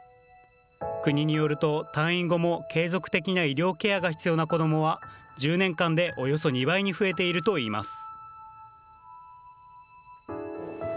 国によると退院後も継続的な医療ケアが必要な子どもは１０年間で、およそ２倍に増えているといいます。